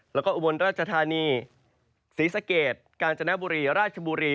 แล้วก็อุบลราชธานีศรีสะเกดกาญจนบุรีราชบุรี